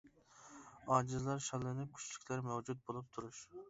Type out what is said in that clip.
ئاجىزلار شاللىنىپ، كۈچلۈكلەر مەۋجۇت بولۇپ تۇرۇش.